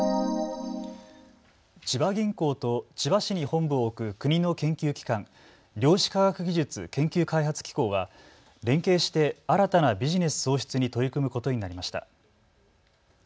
千葉銀行と千葉市に本部を置く国の研究機関、量子科学技術研究開発機構は連携して新たなビジネス創出に取り組むことになりました。